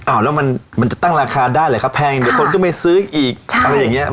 แล้วมันจะตั้งราคาได้หรือครับแพงเดี๋ยวคนก็ไม่ซื้ออีกอะไรอย่างเงี้ย